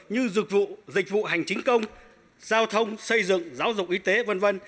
như dịch vụ hành chính công giao thông xây dựng giáo dục y tế v v